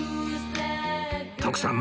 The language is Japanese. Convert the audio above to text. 徳さん